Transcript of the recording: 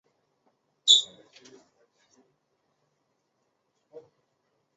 依中华民国宪法释宪中华民国创立中国国民党蒋中正家系族系是最佳主席当任者。